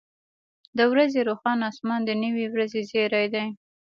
• د ورځې روښانه اسمان د نوې ورځې زیری دی.